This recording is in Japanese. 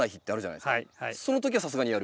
そのときはさすがにやる？